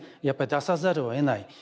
やっぱり出さざるをえない